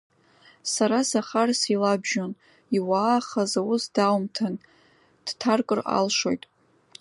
Сара Захар силабжьон, иуаахаз аус даумҭан, дҭаркыр алшоит.